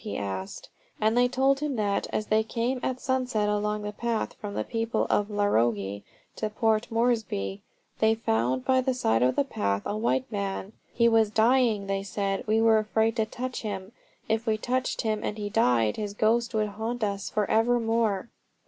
he asked. And they told him that, as they came at sunset along the path from the people of Larogi to Port Moresby, they found by the side of the path a white man. "He was dying," they said. "We were afraid to touch him. If we touched him and he died, his ghost would haunt us for evermore."